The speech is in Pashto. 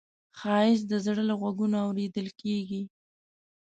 ښایست د زړه له غوږونو اورېدل کېږي